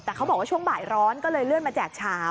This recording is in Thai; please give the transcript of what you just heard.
แต่เขาบอกว่าช่วงบ่ายร้อนก็เลยเลื่อนมาแจกเช้า